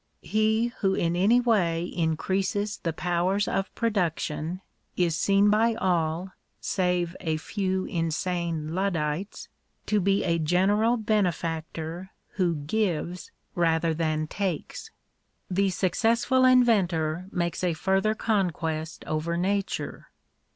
He who in any way increases the powers of production, is seen by all, save a few insane Luddites, to be a general bene factor who gives rather than takes. The successful inventor makes a further conquest over nature.